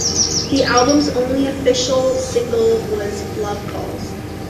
The album's only official single was "Love Calls".